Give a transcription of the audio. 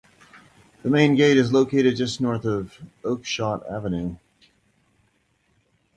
The main gate is located just north of Oakshott Avenue.